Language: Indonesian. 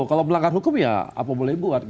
kalau melanggar hukum ya apa boleh buat